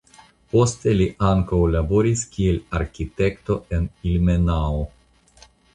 Poste li ankaŭ laboris kiel arkitekto en Ilmenau.